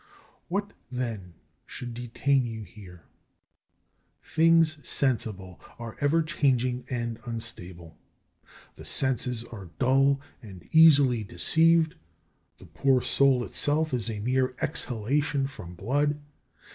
What then should detain you here? Things sensible are ever changing and unstable. The senses are dull and easily deceived. The poor soul itself is a mere exhalation from blood.